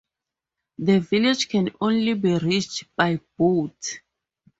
The village can only be reached by boat.